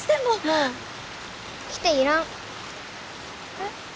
えっ。